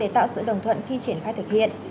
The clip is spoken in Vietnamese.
tạo sự đồng thuận khi triển khai thực hiện